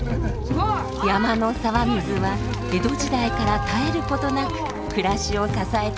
山の沢水は江戸時代から絶えることなく暮らしを支えてきました。